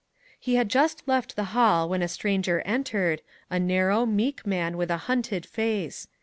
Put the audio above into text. He had just left the hall when a stranger entered, a narrow, meek man with a hunted face.